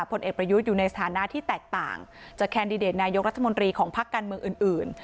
ผลเอกประยุทธ์อยู่ในสถานะที่แตกต่างจากแคนดิเดตนายกรัฐมนตรีของพักการเมืองอื่น